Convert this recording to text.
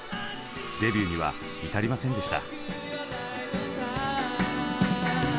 デビューには至りませんでした。